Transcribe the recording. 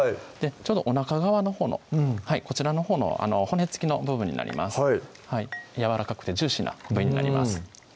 ちょうどおなか側のほうのこちらのほうの骨付きの部分になりますやわらかくてジューシーな部位になります